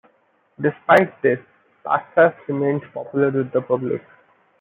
Despite this, Paksas remained popular with the public.